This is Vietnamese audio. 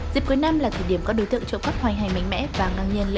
dịp cuối năm là thời điểm các đối tượng chỗ cấp hoài hành mạnh mẽ và ngạc nhiên lên